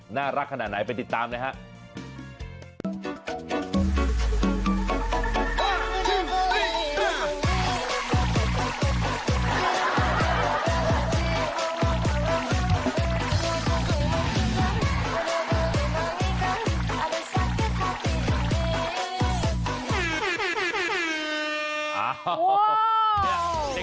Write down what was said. น่ารักขนาดไหนไปติดตามเลยครับ